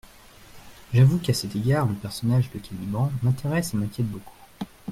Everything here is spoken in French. J'avoue qu'à cet égard le personnage de Caliban m'intéresse et m'inquiète beaucoup.